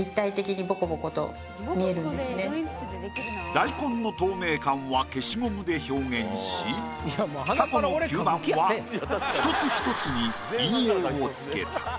大根の透明感は消しゴムで表現しタコの吸盤は一つ一つに陰影をつけた。